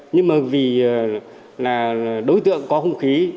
nhưng mà vì đối tượng có hung khí